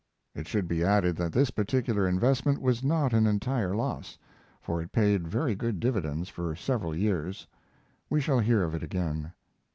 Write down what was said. It should be added that this particular investment was not an entire loss, for it paid very good dividends for several years. We shall hear of it again.